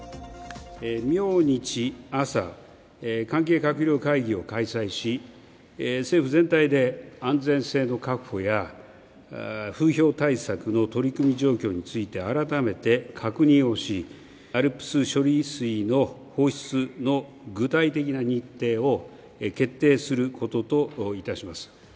明日朝、関係閣僚会議を開催し政府全体で安全性の確保や、風評対策の取り組み状況について改めて確認をし、ＡＬＰＳ処理水の放出の具体的な日程を決定することといたします。